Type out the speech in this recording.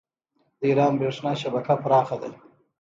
د ایران بریښنا شبکه پراخه ده.